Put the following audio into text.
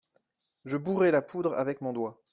Je bourrai la poudre avec mon doigt.